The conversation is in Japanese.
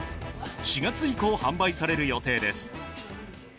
４月以降販売される予定です。